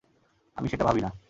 আমি সেটা ভাবি না।